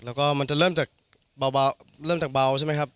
แล้วก็มันจะเริ่มจากเบาใช่ไหมครับ